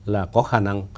là có khả năng